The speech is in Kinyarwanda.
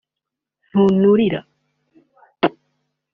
Ntunulira